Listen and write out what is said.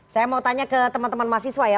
saya mau tanya ke teman teman mahasiswa ya